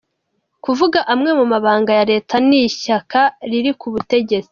Kuvuga amwe mu mabanga ya Leta n’ishyaka riri ku butegetsi.